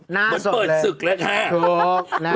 เหมือนเปิดศึกแล้วค่ะ